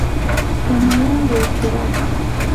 Como era de esperar.